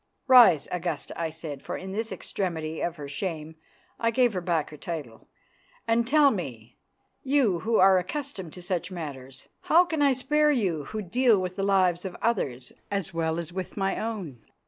"Rise, Augusta," I said, for in this extremity of her shame I gave her back her title, "and tell me, you who are accustomed to such matters, how I can spare you who deal with the lives of others as well as with my own?"